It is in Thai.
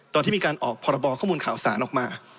ตอนที่มีการออกพรบข้อมูลข่าวสารออกมา